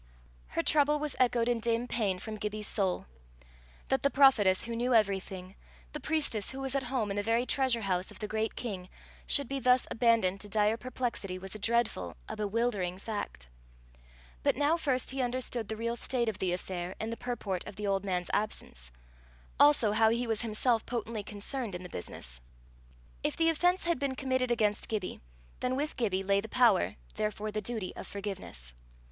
Her trouble was echoed in dim pain from Gibbie's soul. That the prophetess who knew everything, the priestess who was at home in the very treasure house of the great king, should be thus abandoned to dire perplexity, was a dreadful, a bewildering fact. But now first he understood the real state of the affair in the purport of the old man's absence; also how he was himself potently concerned in the business: if the offence had been committed against Gibbie, then with Gibbie lay the power, therefore the duty of forgiveness.